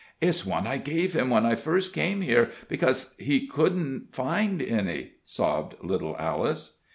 "It's one I gave him when I first came here, because he couldn't find any," sobbed little Alice.